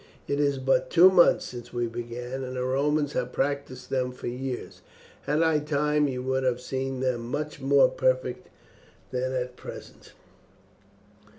It is but two months since we began, and the Romans have practised them for years. Had I time you would have seen them much more perfect than at present."